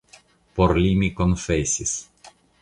Por li mi konfesis.